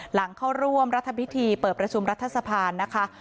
หลังเข้าร่วมรัฐพิธีเปิดประชุมรัฐสภานะคะ